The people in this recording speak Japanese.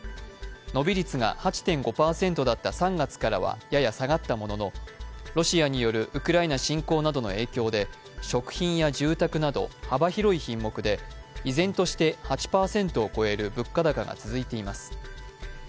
伸び率が８．５％だった３月からはやや下がったもののロシアによるウクライナ侵攻などの影響で食品や住宅など幅広い品目で依然として８％を超える物価高が続いています。